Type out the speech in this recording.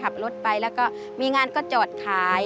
ขับรถไปแล้วก็มีงานก็จอดขาย